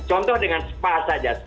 contoh dengan spa saja